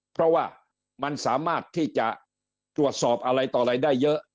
เพราะว่ามันสามารถที่จะตรวจสอบอะไรต่ออะไรได้เยอะ